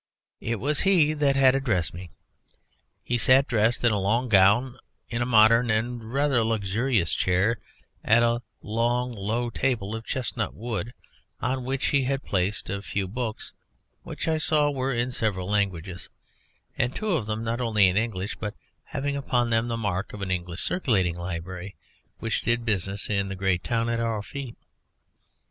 It was he that had addressed me. He sat dressed in a long gown in a modern and rather luxurious chair at a low long table of chestnut wood, on which he had placed a few books, which I saw were in several languages and two of them not only in English, but having upon them the mark of an English circulating library which did business in the great town at our feet.